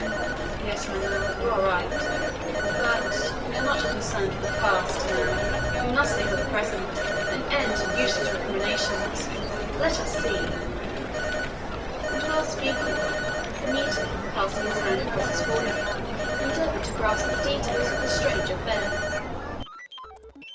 "Yes, Manoel, you are right. But we are not concerned with the past now. We must think of the present. An end to useless recriminations! Let us see!" And while speaking, Benito, passing his hand across his forehead, endeavored to grasp the details of the strange affair.